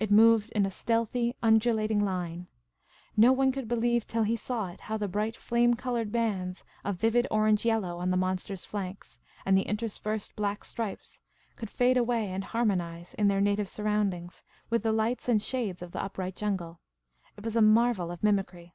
It moved in a stealthy undulating line. No one could believe till he saw it how the bright flame coloured bands of vivid orange yellow on the monster's flanks, and the interspersed black stripes, could fade away and har monise, in their native surroundings, with the lights and shades of the upright jungle. It was a marvel of mimicry.